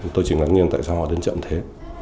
tôi chỉ ngạc nhiên tại sao họ đến chậm thế